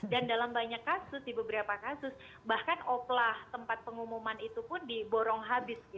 dalam banyak kasus di beberapa kasus bahkan oplah tempat pengumuman itu pun diborong habis